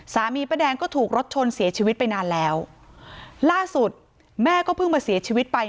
ป้าแดงก็ถูกรถชนเสียชีวิตไปนานแล้วล่าสุดแม่ก็เพิ่งมาเสียชีวิตไป